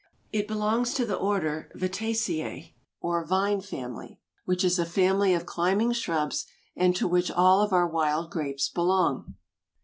It belongs to the order Vitaceæ or Vine family, which is a family of climbing shrubs, and to which all of our wild grapes belong.